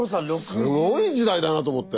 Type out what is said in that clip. すごい時代だなと思って。